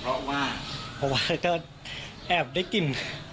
เพราะว่าก็แอบได้กิน